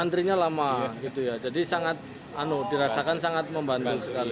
antrinya lama gitu ya jadi sangat dirasakan sangat membantu sekali